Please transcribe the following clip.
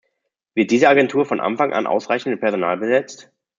Wird diese Agentur von Anfang an ausreichend mit Personal besetzt?